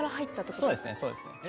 そうですねそうですね。へえ。